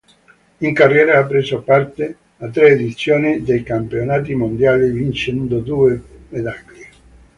In carriera ha preso parte a tre edizioni dei Campionati mondiali, vincendo due medaglie.